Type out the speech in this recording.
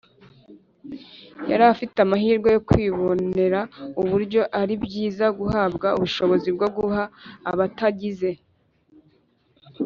yari afite amahirwe yo kwibonera uburyo ari byiza guhabwa ubushobozi bwo guha abatagize